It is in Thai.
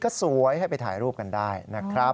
ก็สวยให้ไปถ่ายรูปกันได้นะครับ